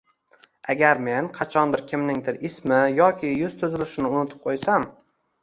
Agar men qachondir kimningdir ismi yoki yuz tuzilishini unutib qoʻysam